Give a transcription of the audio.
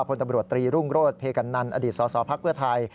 พลตำรวจตรีรุ่งโรศเพกันนันอดีตสสภไทย